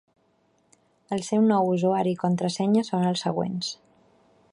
El seu nou usuari i contrasenya són els següents:.